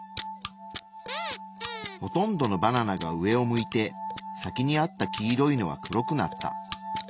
ほとんどのバナナが上を向いて先にあった黄色いのは黒くなった。